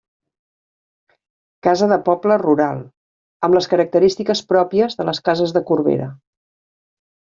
Casa de poble rural, amb les característiques pròpies de les cases de Corbera.